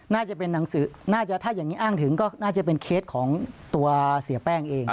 น่าจะเป็นหนังสือน่าจะถ้าอย่างนี้อ้างถึงก็น่าจะเป็นเคสของตัวเสียแป้งเอง